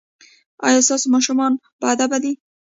ایا ستاسو ماشومان باادبه دي؟